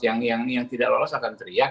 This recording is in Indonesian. yang tidak lolos akan teriak